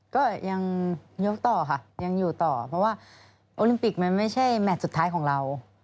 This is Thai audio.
ก็ยังยกต่อค่ะยังอยู่ต่อเพราะว่าโอลิมปิกมันไม่ใช่แมทสุดท้ายของเรา